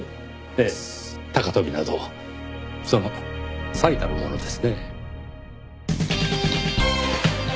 ええ高飛びなどその最たるものですねぇ。